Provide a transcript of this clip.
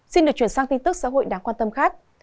xin được chuyển sang tin tức xã hội đáng quan tâm khác